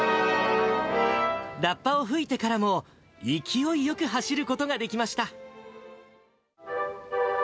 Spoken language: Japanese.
ラッパを吹いてからも、勢いよく走ることができました。